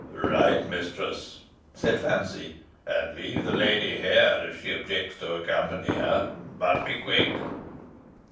"Right, mistress," said Fancy; "and leave the lady here if she objects to accompany her. But be quick."